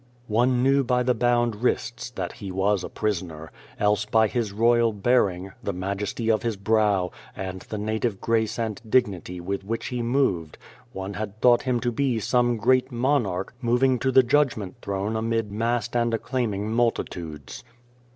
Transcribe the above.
One knew by the bound wrists that He was a prisoner, else by His royal bearing, the majesty of His brow, and the native grace and dignity with which He moved, one had thought Him to be some great monarch moving to the judgment throne amid massed and acclaiming multitudes.